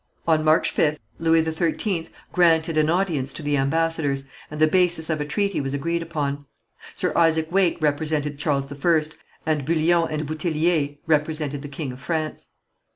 On March 5th, Louis XIII granted an audience to the ambassadors, and the basis of a treaty was agreed upon. Sir Isaac Wake represented Charles I, and Bullion and Bouthillier represented the king of France.